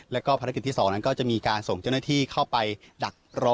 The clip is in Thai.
แล้วก็ภารกิจที่๒นั้นก็จะมีการส่งเจ้าหน้าที่เข้าไปดักรอ